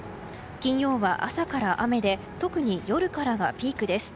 金曜は朝から雨で特に夜からがピークです。